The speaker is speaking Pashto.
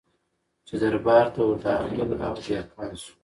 چي دربار ته ور داخل هغه دهقان سو